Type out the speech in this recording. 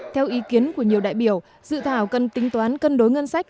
theo ý kiến của nhiều đại biểu dự thảo cần tính toán cân đối ngân sách